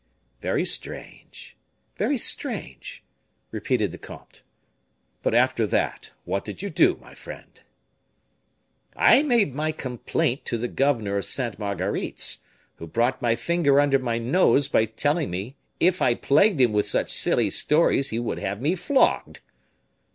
"Very strange! very strange!" repeated the comte. "But after that, what did you do, my friend?" "I made my complaint to the governor of Sainte Marguerite's, who brought my finger under my nose by telling me if I plagued him with such silly stories he would have me flogged."